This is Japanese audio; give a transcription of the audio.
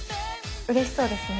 うれしそうですね。